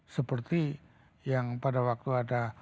seperti yang pada waktu ada